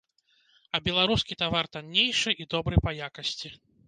А беларускі тавар таннейшы і добры па якасці.